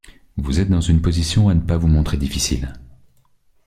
Vous êtes dans une position à ne pas vous montrer difficile.